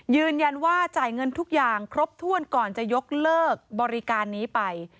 ยืนยันว่าจ่ายเงินทุกอย่างครบถ้วนก่อนจะยกเลิกบริการนี้ไป